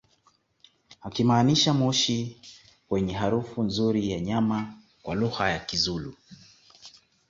akimaanisha moshi wenye harufu nzuri ya nyama kwa lugha ya kizulu